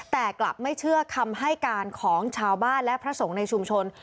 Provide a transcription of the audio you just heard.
แต่กลับไม่เชื่อคำให้การของชาวบ้านและพระสงฆ์ในชุมชน